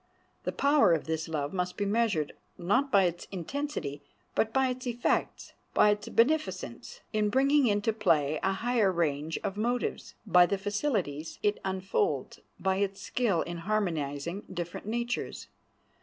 The power of this love must be measured, not by its intensity, but by its effects—by its beneficence in bringing into play a higher range of motives, by the facilities it unfolds, by its skill in harmonizing different natures.